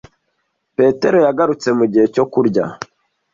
Petero yagarutse mugihe cyo kurya.